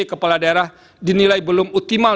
kepala daerah dinilai belum optimal